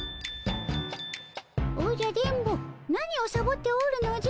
おじゃ電ボ何をサボっておるのじゃ。